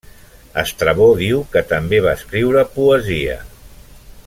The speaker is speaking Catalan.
Estrabó diu que també va escriure poesia.